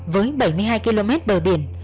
với bảy mươi hai km bờ biển